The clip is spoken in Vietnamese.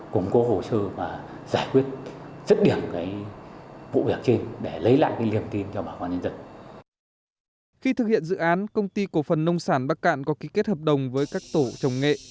khi thực hiện dự án công ty cổ phần nông sản bắc cạn có ký kết hợp đồng với các tổ trồng nghệ